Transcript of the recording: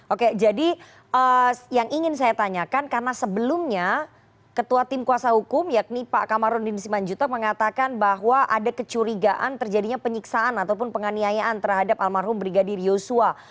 oke jadi yang ingin saya tanyakan karena sebelumnya ketua tim kuasa hukum yakni pak kamarudin simanjuto mengatakan bahwa ada kecurigaan terjadinya penyiksaan ataupun penganiayaan terhadap almarhum brigadir yosua